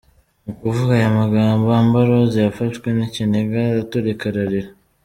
Mu kuvuga aya magambo, Amber Rose yafashwe n’ikiniga araturika ararira.